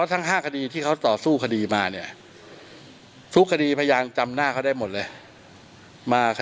มาคดีที่๖นี้นะครับ